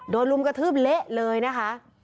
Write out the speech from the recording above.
ลุมกระทืบเละเลยนะคะ